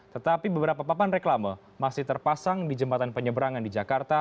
tetapi beberapa papan reklama masih terpasang di jembatan penyeberangan di jakarta